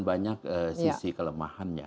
banyak sisi kelemahannya